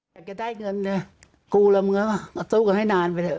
อยากจะได้เงินเลยกูแล้วมึงแล้วก็สู้กันให้นานไปเถอะ